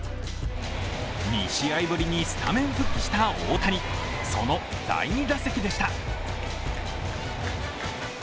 ２試合ぶりにスタメン復帰した大谷その第２打席でした。